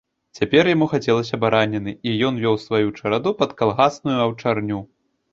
Цяпер яму хацелася бараніны, і ён вёў сваю чараду пад калгасную аўчарню.